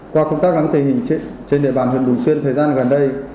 qua công tác lắm tình hình trên đề bàn huyện bình xuyên thời gian gần đây